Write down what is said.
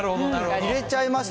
入れちゃいました。